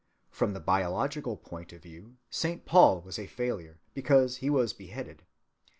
From the biological point of view Saint Paul was a failure, because he was beheaded.